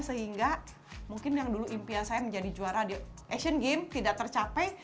sehingga mungkin yang dulu impian saya menjadi juara di asian games tidak tercapai